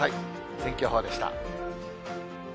天気予報でした。